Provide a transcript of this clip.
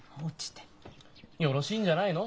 よろしいんじゃないの？